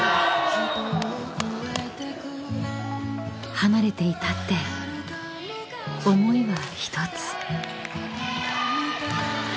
［離れていたって思いは一つ］